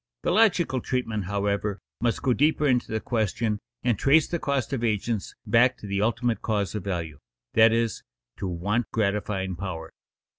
The logical treatment, however, must go deeper into the question and trace the cost of agents back to the ultimate cause of value, that is, to want gratifying power.